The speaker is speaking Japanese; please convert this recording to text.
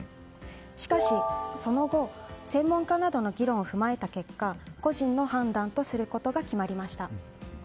しかし、その後専門家などの議論を踏まえた結果個人の判断とすることが決まりました。